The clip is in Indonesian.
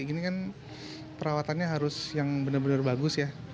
ini kan perawatannya harus yang benar benar bagus ya